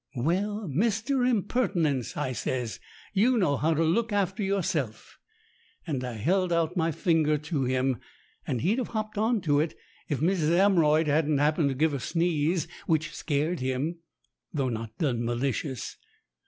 "Well, Mister Impertinence," I says, "you know how to look after yourself." And I held out my finger to him, and he'd have hopped on to it, if Mrs. Amroyd hadn't happened to give a sneeze, which scared him, though not done malicious.